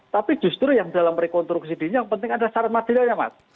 tapi justru yang dalam rekonstruksi dini yang penting ada syarat materialnya mas